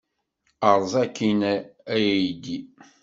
Erẓ akkin, a aydi!